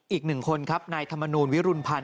อีกหนึ่งคนครับนายธรรมนูลวิรุณพันธ